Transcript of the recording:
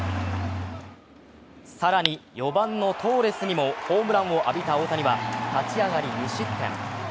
更に４番のトーレスにもホームランを浴びた大谷は立ち上がり２失点。